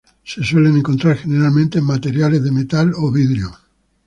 Se suelen encontrar generalmente en materiales de metal o vidrio.